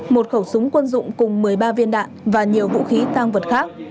một khẩu súng quân dụng cùng một mươi ba viên đạn và nhiều vũ khí tăng vật khác